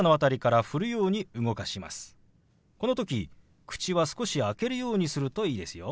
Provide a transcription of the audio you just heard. この時口は少し開けるようにするといいですよ。